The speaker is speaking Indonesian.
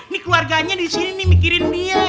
nih keluarganya disini nih mikirin dia